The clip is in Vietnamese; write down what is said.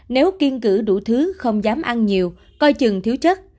nếu kiên cử đủ thứ không dám ăn nhiều coi chừng thiếu chất